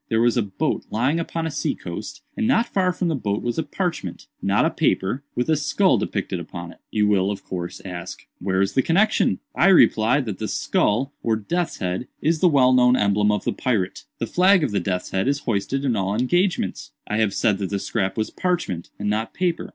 There was a boat lying upon a sea coast, and not far from the boat was a parchment—not a paper—with a skull depicted upon it. You will, of course, ask 'where is the connexion?' I reply that the skull, or death's head, is the well known emblem of the pirate. The flag of the death's head is hoisted in all engagements. "I have said that the scrap was parchment, and not paper.